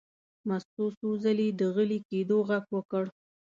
مستو څو ځلې د غلي کېدو غږ وکړ.